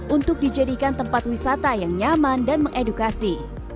untuk dijadikan tempat wisata yang nyaman dan mengedukasi